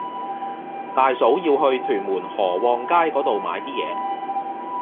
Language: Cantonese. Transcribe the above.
大嫂要去屯門河旺街嗰度買啲嘢